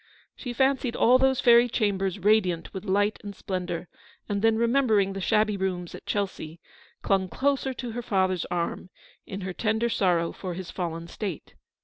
She fancied all those fairy chambers radiant with light and splendour; and then remembering the shabby rooms at Chelsea, clung closer to her father's arm, in her tender sorrow for his fallen state.